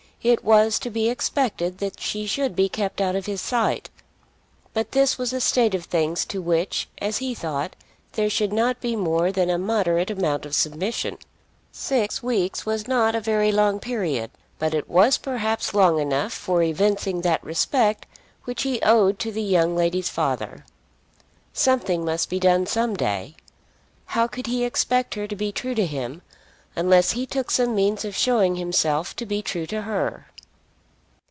It was to be expected that she should be kept out of his sight. But this was a state of things to which, as he thought, there should not be more than a moderate amount of submission. Six weeks was not a very long period, but it was perhaps long enough for evincing that respect which he owed to the young lady's father. Something must be done some day. How could he expect her to be true to him unless he took some means of showing himself to be true to her?